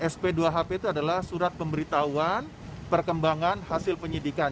sp dua hp itu adalah surat pemberitahuan perkembangan hasil penyidikan